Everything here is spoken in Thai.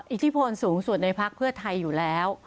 อิทธิพลสูงสุดในพักเพื่อไทยอยู่แล้ว